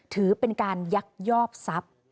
ถือเป็นการยักยอกทรัพย์